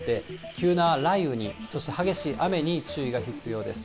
急な雷雨に、そして激しい雨に注意が必要です。